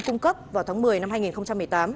cung cấp vào tháng một mươi năm hai nghìn một mươi tám